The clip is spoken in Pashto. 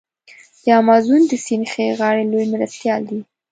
د امازون د سیند ښي غاړی لوی مرستیال دی.